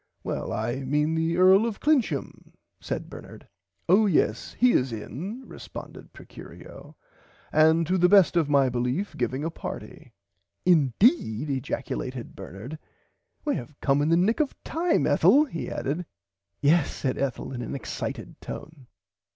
Well I mean the Earl of Clincham said Bernard. Oh yes he is in responded Procurio and to the best of my belief giving a party. [Pg 81] Indeed ejaculated Bernard we have come in the nick of time Ethel he added. Yes said Ethel in an excited tone.